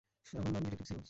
আমার নাম detective Simmons.